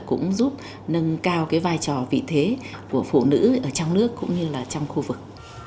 cũng giúp nâng cao cái vai trò vị thế của phụ nữ ở trong nước cũng như là trong khu vực